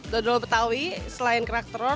dodol betawi selain kerak telur